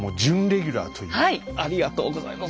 ありがとうございます。